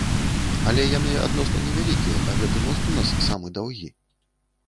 Але яны адносна невялікія, а гэты мост у нас самы даўгі.